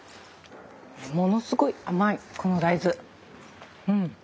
ものすごい甘いこの大豆。